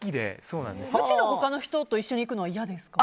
むしろ他の人と一緒に行くのは嫌ですか？